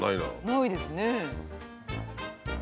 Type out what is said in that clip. ないですね。